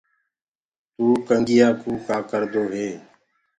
تو کنُگيآ ڪوُ ڪآ ڪردو هي۔